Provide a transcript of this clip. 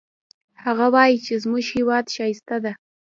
هغه وایي چې زموږ هیواد ښایسته ده